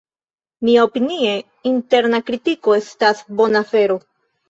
Miaopinie interna kritiko estas bona afero.